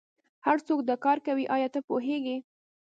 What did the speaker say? هرڅوک دا کار کوي ایا ته پوهیږې